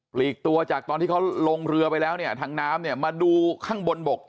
ลีกตัวจากตอนที่เขาลงเรือไปแล้วเนี่ยทางน้ำเนี่ยมาดูข้างบนบก